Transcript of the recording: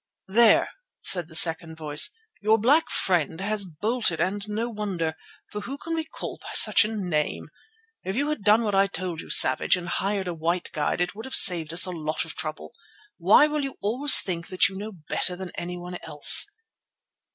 "There," said the second voice, "your black friend has bolted, and no wonder, for who can be called by such a name? If you had done what I told you, Savage, and hired a white guide, it would have saved us a lot of trouble. Why will you always think that you know better than anyone else?"